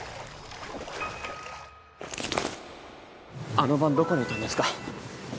あの晩どこにいたんですか？